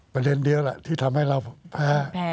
ประเด็นเดียวแหละที่ทำให้เราแพ้